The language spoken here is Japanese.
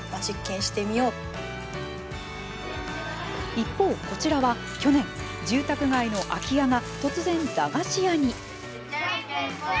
一方こちらは、去年住宅街の空き家が突然駄菓子屋に。